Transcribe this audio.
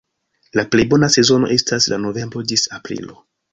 La plej bona sezono estas de novembro ĝis aprilo.